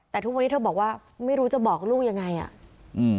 แต่ทุกวันนี้เธอบอกว่าไม่รู้จะบอกลูกยังไงอ่ะอืม